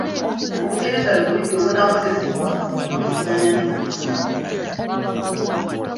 Olungereza lwe lulimi olunaakozesebwanga mu mpuliziganya ne mu masomero.